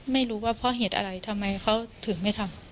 ไม่รู้ว่าเพราะเหตุอะไรทำไมเขาถึงไม่ทำ